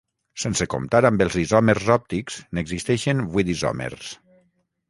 Sense comptar amb els isòmers òptics n'existeixen vuit isòmers.